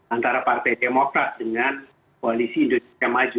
antara partai demokrat dengan koalisi indonesia maju